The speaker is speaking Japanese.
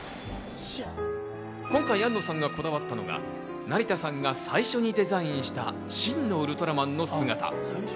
今回、庵野さんがこだわったのが成田さんが最初にデザインした真のウルトラマンの姿。